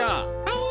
はい！